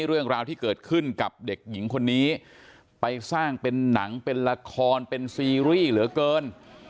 เรื่องราวที่เกิดขึ้นกับเด็กหญิงคนนี้ไปสร้างเป็นหนังเป็นละครเป็นซีรีส์เหลือเกิน